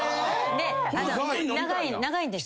で長いんです。